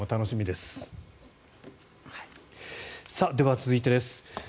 では、続いてです。